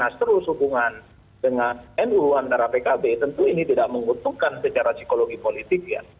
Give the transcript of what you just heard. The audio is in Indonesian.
karena terus hubungan dengan nu antara pkb tentu ini tidak menguntungkan secara psikologi politik ya